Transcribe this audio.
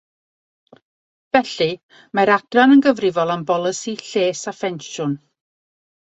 Felly, mae'r Adran yn gyfrifol am bolisi lles a phensiwn.